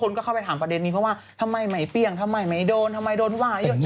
ก็เข้าไปถามประเด็นนี้เพราะว่าทำไมไม่เปรี้ยงทำไมไม่โดนทำไมโดนว่าเยอะ